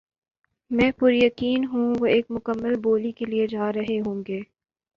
میں پُریقین ہوں وہ ایک مکمل بولی کے لیے جا رہے ہوں گے